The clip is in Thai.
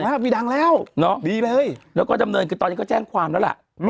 แล้วมีดังแล้วดีเลยแล้วก็ดำเนินคือตอนนี้ก็แจ้งความแล้วล่ะ